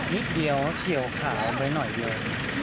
นิดเดียวเฉียวขาออกไปหน่อยเดียว